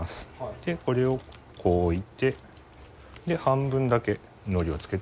でこれをこう置いて半分だけ海苔をつけて完成。